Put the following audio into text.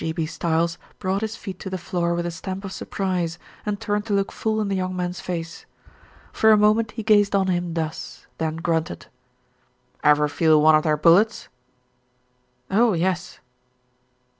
G. B. Stiles brought his feet to the floor with a stamp of surprise and turned to look full in the young man's face. For a moment he gazed on him thus, then grunted. "Ever feel one of their bullets?" "Oh, yes."